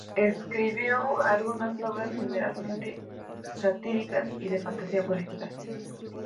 Escribió algunas obras, generalmente satíricas y de fantasía política.